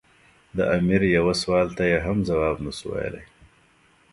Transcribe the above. د امیر یوه سوال ته یې هم ځواب نه شو ویلای.